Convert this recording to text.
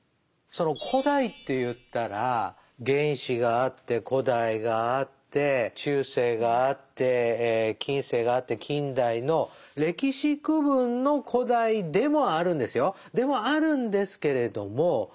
その「古代」っていったら原始があって古代があって中世があって近世があって近代の歴史区分の古代でもあるんですよ。